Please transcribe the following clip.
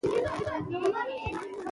د موبایل له لارې بانکي حساب کنټرول کیدی شي.